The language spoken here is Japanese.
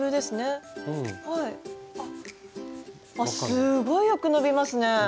あすごいよく伸びますね。